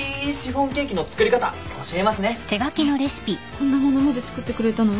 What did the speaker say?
こんな物まで作ってくれたの？